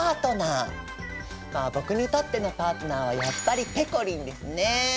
僕にとってのパートナーはやっぱりぺこりんですね。